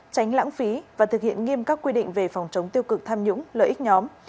tránh lãng phí và thực hiện nghiêm các quy định về phòng chống tiêu cực tham nhũng lợi ích nhóm